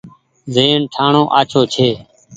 زهين ٺآڻو آڇو ڇي۔